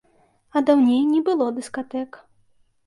А даўней не было дыскатэк.